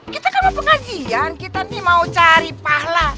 kita kalau pengajian kita nih mau cari pahla